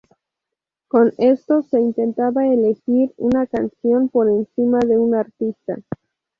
Con esto, se intentaba elegir una canción por encima de un artista.